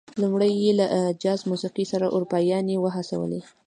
لومړی یې له جاز موسيقۍ سره اروپايانې وهڅولې.